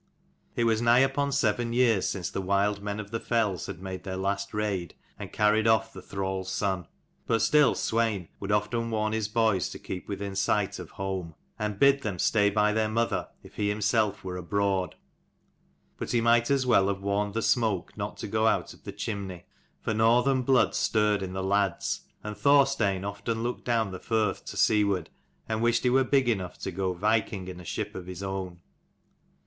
It was nigh upon seven years since the wild men of the fells had made their last raid and carried off the thrall's son: but still Swein would often warn his boys to keep within sight of home, and bid them stay by their mother if he himself were abroad. But he might as well have warned the smoke not to go out of the chimney. For northern blood stirred in the lads: and Thorstein often looked down the firth to seaward, and wished he were big enough to go viking in a ship of his own.